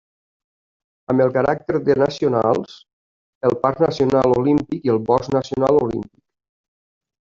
Amb el caràcter de nacionals, el Parc Nacional Olímpic i el Bosc Nacional Olímpic.